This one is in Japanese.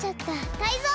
タイゾウ！